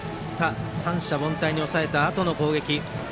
三者凡退に抑えたあとの攻撃。